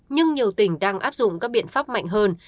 nhưng nhiều tỉnh đang áp dụng các biện pháp mạnh hơn